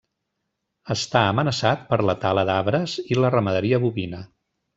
Està amenaçat per la tala d'arbres i la ramaderia bovina.